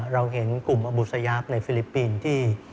เราเห็นกลุ่มอบูสยาฟในฟิลิปปินส์ที่